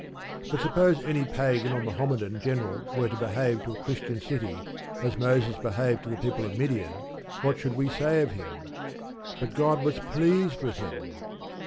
But suppose any pagan or Mohammedan general were to behave to a Christian city as Moses behaved to the people of Midian, what should we say of him? But God was pleased with him.